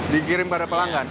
dikirim ke para pelanggan